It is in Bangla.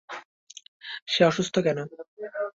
সে অসুস্থ কেন?